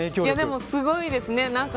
でも、すごいですね。